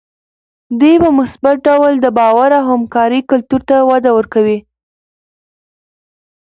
دوی په مثبت ډول د باور او همکارۍ کلتور ته وده ورکوي.